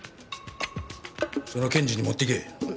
その検事に持ってけ。